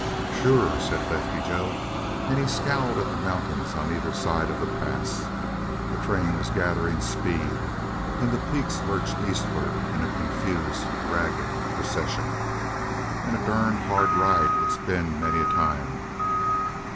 "Sure," said Lefty Joe, and he scowled at the mountains on either side of the pass. The train was gathering speed, and the peaks lurched eastward in a confused, ragged procession. "And a durned hard ride it's been many a time."